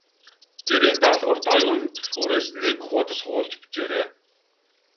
Гэрийн даалгаварт Оюун түлхүүрээс нэг хуудас хуулж бичээрэй.